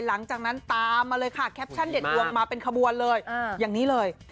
หลังจากนั้นตามมาเลยค่ะแคปชั่นเด็ดดวงมาเป็นขบวนเลยอย่างนี้เลย